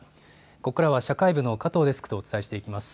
ここからは社会部の加藤デスクとお伝えします。